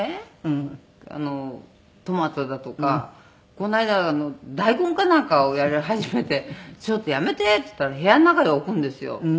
この間は大根かなんかをやり始めて「ちょっとやめて」って言ったら部屋の中に置くんですよ。